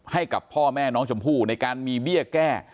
ให้กับพ่อแม่น้องชมพู่ในการมีเบี้ยแก้